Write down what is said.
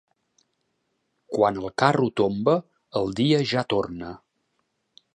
Quan el Carro tomba, el dia ja torna.